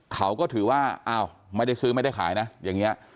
เขาก็ถือว่าอ้าวไม่ได้ซื้อไม่ได้ขายนะอย่างนี้